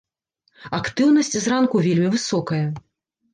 Актыўнасць зранку вельмі высокая.